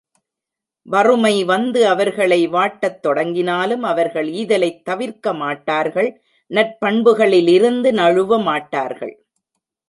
வறுமை வந்து அவர்களை வாட்டத் தொடங்கினாலும் அவர்கள் ஈதலைத் தவிர்க்கமாட்டார்கள், நற் பண்புகளில் இருந்து நழுவமாட்டார்கள்.